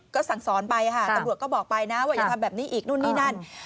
ก็สั่งสอนไปค่ะตำรวจก็บอกไปนะว่าอย่าทำแบบนี้อีกนู่นนี่นั่น